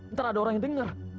ntar ada orang yang dengar